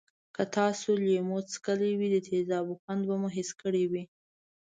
که تاسې لیمو څکلی وي د تیزابو خوند به مو حس کړی وی.